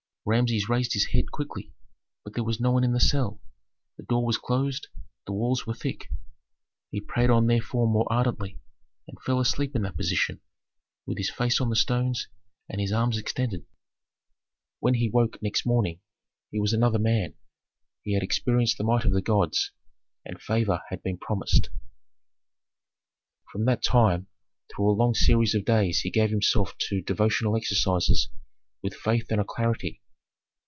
Rameses raised his head quickly, but there was no one in the cell: the door was closed, the walls were thick. He prayed on therefore more ardently, and fell asleep in that position, with his face on the stones and his arms extended. When he woke next morning, he was another man: he had experienced the might of the gods, and favor had been promised. From that time through a long series of days he gave himself to devotional exercises with faith and alacrity.